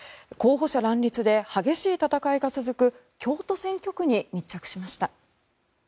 候補者乱立で激しい戦いが続く京都選挙区に密着しました。